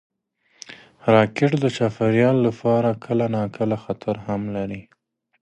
راکټ د چاپېریال لپاره کله ناکله خطر هم لري